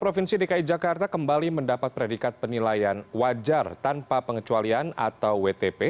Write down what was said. provinsi dki jakarta kembali mendapat predikat penilaian wajar tanpa pengecualian atau wtp